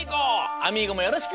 あみーゴもよろしく！